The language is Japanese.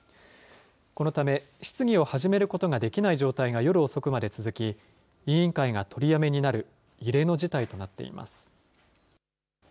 このため、質疑を始めることができない状態が夜遅くまで続き、委員会が取りやめになる異例の事態となっています。